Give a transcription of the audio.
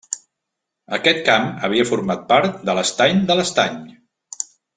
Aquest camp havia format part de l'estany de l'Estany.